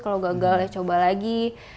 kalau gagalnya coba lagi